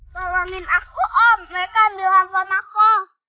tolongin aku om mereka ambil handphone aku